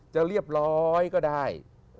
จะเรียบร้อยก็ได้